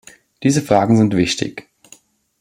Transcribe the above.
Diese Fragen sind wichtig.